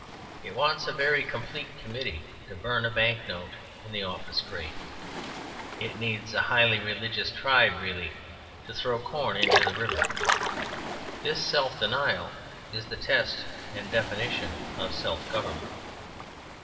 It wants a very complete committee to burn a bank note in the office grate. It needs a highly religious tribe really to throw corn into the river. This self denial is the test and definition of self government.